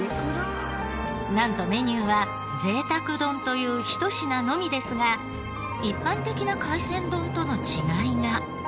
なんとメニューは「ぜいたく丼」という一品のみですが一般的な海鮮丼との違いが。